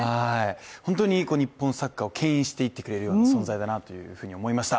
本当に日本サッカーをけん引していってくれるような存在だなと思いました。